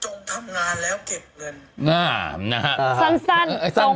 จงทำงานแล้วเก็บเงินจงทำงานแล้วเก็บเงิน